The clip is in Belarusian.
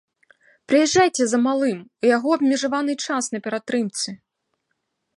Прыязджайце за малым, у яго абмежаваны час на ператрымцы!